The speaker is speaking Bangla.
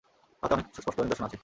তাতে অনেক সুস্পষ্ট নিদর্শন আছে।